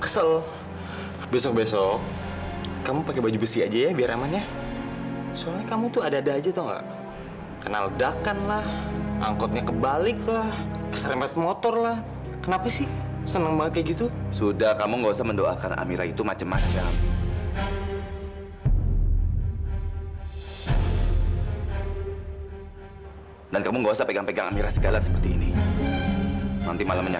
sampai jumpa di video selanjutnya